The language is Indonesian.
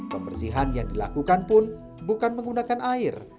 pembersihan yang dilakukan pun bukan menggunakan air